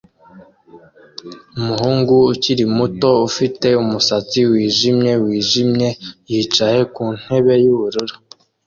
Umuhungu ukiri muto ufite umusatsi wijimye wijimye yicaye ku ntebe yubururu